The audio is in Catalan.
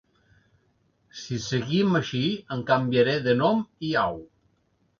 Si seguim així em canviaré de nom i au.